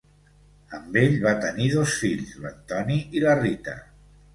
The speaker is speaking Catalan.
Amb ell va tenir dos fills: l'Antoni i la Rita.